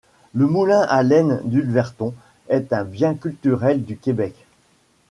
Le moulin à laine d'Ulverton est un bien culturel du Québec.